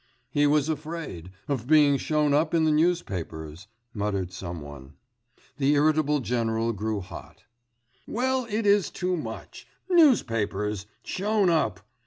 'He was afraid ... of being shown up in the newspapers,' muttered some one. The irritable general grew hot. 'Well, it is too much! Newspapers! Shown up!